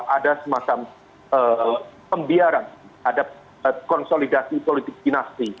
ada semacam pembiaran terhadap konsolidasi politik dinasti